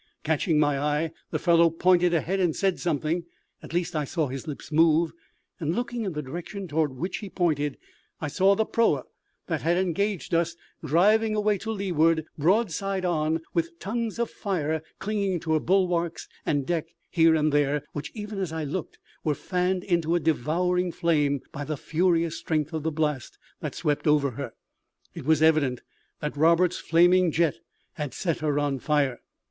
Catching my eye, the fellow pointed ahead and said something at least, I saw his lips move and, looking in the direction toward which he pointed, I saw the proa that had engaged us driving away to leeward, broadside on, with tongues of fire clinging to her bulwarks and deck here and there, which, even as I looked, were fanned into a devouring flame by the furious strength of the blast that swept over her. It was evident that Roberts's flaming jet had set her on fire.